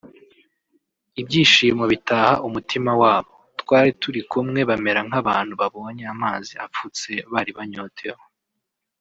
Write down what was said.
ibyishimo bitaha umutima w’abo twari turi kumwe bamera nk’abantu babonye amazi afutse bari banyotewe